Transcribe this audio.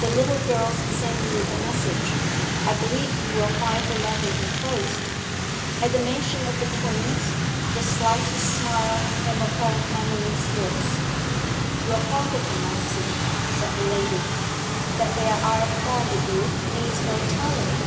The little girls send you a message; I believe you will find the letter enclosed.' At the mention of the twins, the slightest smile came upon Emily's lips. 'You are fond of them, I see,' said the lady. 'That they ire fond of you, needs no telling.